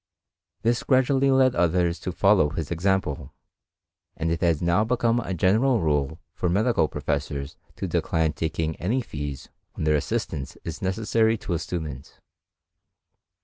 This gradually led others to follow his example ; and it has now become a general rule for medical professors to decline taking any fees when their assistance is necessary to a student.